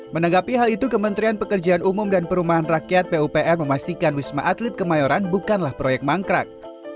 menanggapi hal itu kementerian pekerjaan umum dan perumahan rakyat pupr memastikan wisma atlet kemayoran bukanlah proyek mangkrak